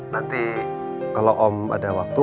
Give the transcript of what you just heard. nanti kalau om ada waktu